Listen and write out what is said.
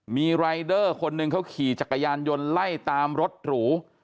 มีรายเดอร์คนหนึ่งเขาขี่จักรยานยนต์ไล่ตามรถหรู